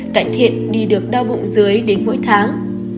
cải thiện đi được đau bụng dưới đến mỗi tháng